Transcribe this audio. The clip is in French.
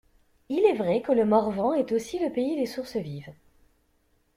Il est vrai que le Morvan est aussi le pays des sources vives.